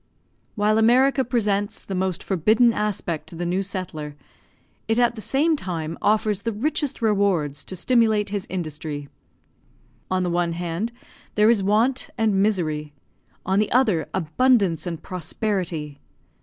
While America presents the most forbidden aspect to the new settler, it at the same time offers the richest rewards to stimulate his industry. On the one hand, there is want and misery; on the other, abundance and prosperity.